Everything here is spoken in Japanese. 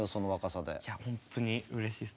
いや本当にうれしいです。